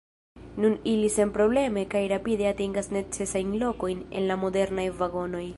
Nun ili senprobleme kaj rapide atingas necesajn lokojn en la modernaj vagonoj.